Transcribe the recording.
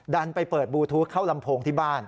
ดันไปเปิดบลูทูธเข้าลำโพงที่บ้าน